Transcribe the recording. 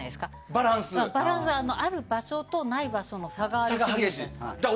バランスがある場所と、ない場所の差が激しいんじゃないんですか。